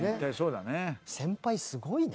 先輩すごいね。